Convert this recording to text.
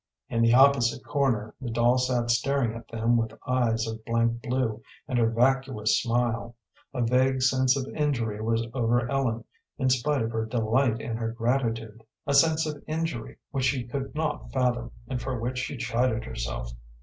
In the opposite corner the doll sat staring at them with eyes of blank blue and her vacuous smile. A vague sense of injury was over Ellen, in spite of her delight and her gratitude a sense of injury which she could not fathom, and for which she chided herself.